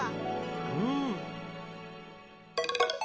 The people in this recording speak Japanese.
うん。